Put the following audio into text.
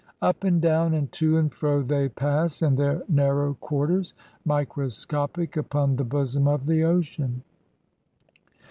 Up and down and to and fro they pass in their narrow quarters, microscopic upon the bosom of the ocean.